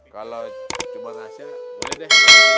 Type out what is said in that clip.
kalo cuma rahasia boleh deh